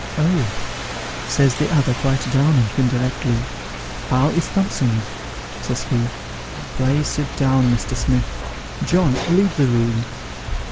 'Oh,' says the other, quite down on him directly, ' How is Thompson ?' says he ;' Pray sit down, Mr. Smith : John, leave the room.'